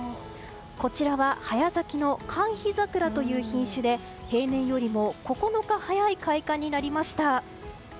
こちらは早咲きの寒緋桜という品種で平年より９日早い開花になりました。